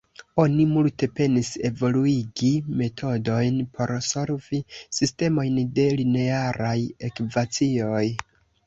Oni multe penis evoluigi metodojn por solvi sistemojn de linearaj ekvacioj.